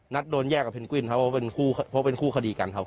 นัดโดนแยกกับเพนกวินครับเพราะเป็นคู่คดีกันครับ